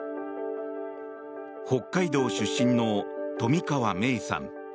北海道出身の冨川芽生さん。